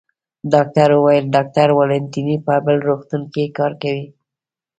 ډاکټر وویل: ډاکټر والنتیني په بل روغتون کې کار کوي.